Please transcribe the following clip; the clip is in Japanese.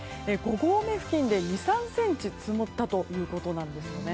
５合目付近で２３ｃｍ積もったということなんです。